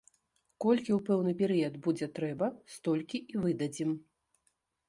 Колькі ў пэўны перыяд будзе трэба, столькі і выдадзім.